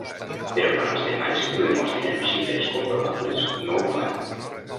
Però quan els demanes que t’ho demostrin amb xifres comprovables, no ho fan.